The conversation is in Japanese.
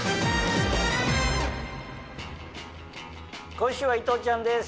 今週は伊藤ちゃんです